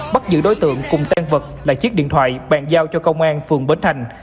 bắt giữ đối tượng cùng tan vật là chiếc điện thoại bàn giao cho công an phường bến thành